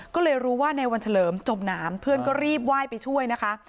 ก็เลยรู้ว่าในวันเฉลิมจมน้ำเพื่อนก็รีบไหว้ไปช่วยนะคะ